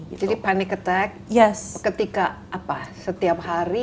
jadi panic attack ketika apa setiap hari